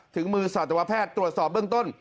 ถึงมือสัตวแพทย์ตรวจสอบเบื้องต้น